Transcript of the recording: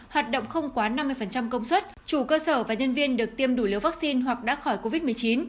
hoạt động không quá năm mươi công suất chủ cơ sở và nhân viên được tiêm đủ liều vaccine hoặc đã khỏi covid một mươi chín